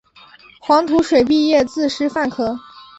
黄土水毕业自师范科